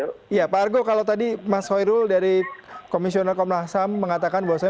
iya pak argo kalau tadi mas hoirul dari komisioner komnas ham mengatakan bahwa